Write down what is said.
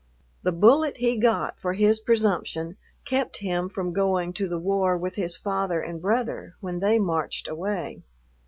The bullet he got for his presumption kept him from going to the war with his father and brother when they marched away.